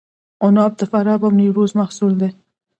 عناب د فراه او نیمروز محصول دی.